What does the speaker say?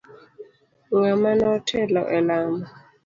Ng'ama notelo elamo.